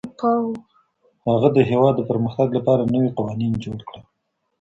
هغه د هېواد د پرمختګ لپاره نوي قوانین جوړ کړل.